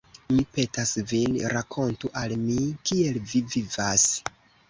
Mi petas vin, rakontu al mi, kiel vi vivas.